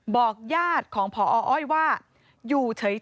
บอกญาติของพ่ออ้อยว่าอยู่เฉยที่บ้าน